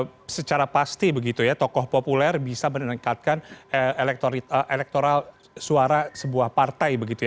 karena secara pasti tokoh populer bisa meningkatkan elektoral suara sebuah partai